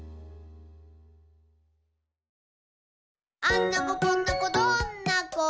「あんな子こんな子どんな子？